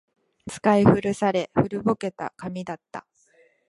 使い古され、古ぼけた紙だった